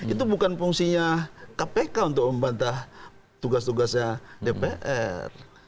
itu bukan fungsinya kpk untuk membantah tugas tugasnya dpr